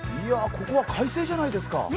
ここは快晴じゃないですか。